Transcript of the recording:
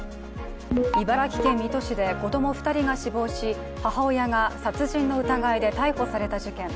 茨城県水戸市で子供２人が死亡し母親が殺人の疑いで逮捕された事件。